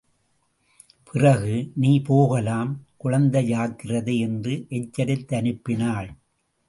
பிறகு, நீ போகலாம் குழந்தை ஜாக்கிரதை!... என்று எச்சரித்தனுப்பினாள்.